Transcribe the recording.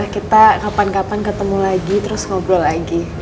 kita kapan kapan ketemu lagi terus ngobrol lagi